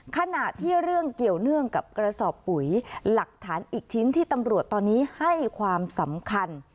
ขณะที่เรื่องเกี่ยวเนื่องกับกระสอบปุ๋ยหลักฐานอีกชิ้นที่ตำรวจตอนนี้ให้ความสำคัญ